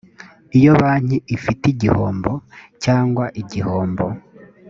iyo banki ifite igihombo cyangwa igihombo